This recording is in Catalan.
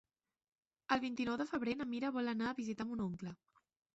El vint-i-nou de febrer na Mira vol anar a visitar mon oncle.